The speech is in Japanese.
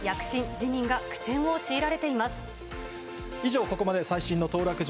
自民が苦以上、ここまで最新の当落情